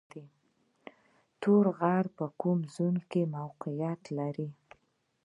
تور غر په کوم زون کې موقعیت لري؟